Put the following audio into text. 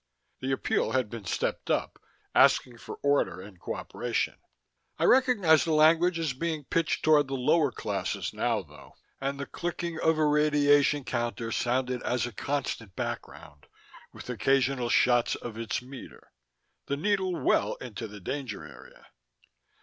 The appeal had been stepped up, asking for order and cooperation; I recognized the language as being pitched toward the lower classes now, though. And the clicking of a radiation counter sounded as a constant background, with occasional shots of its meter, the needle well into the danger area.